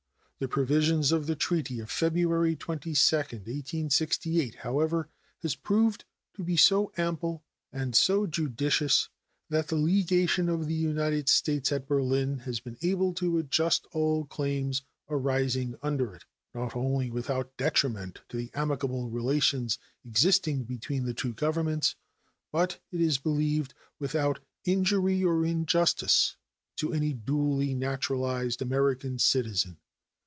The provisions of the treaty of February 22, 1868, however, have proved to be so ample and so judicious that the legation of the United States at Berlin has been able to adjust all claims arising under it, not only without detriment to the amicable relations existing between the two Governments, but, it is believed, without injury or injustice to any duly naturalized American citizen.